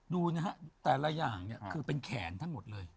ดูนะฮะแต่ละอย่างคือเป็นแขนทั้งหมดเลย